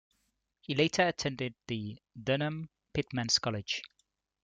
He later attended the Durham Pitmans College.